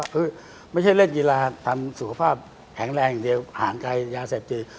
คือไม่ใช่เล่นกีฬาทำสุขภาพแข็งแรงเดียวห่างกายยาแสบเจริญ